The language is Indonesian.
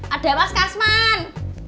ada mas kasman